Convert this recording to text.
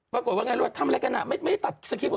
ปรากฏว่าทำอะไรกันไม่ตัดสคริป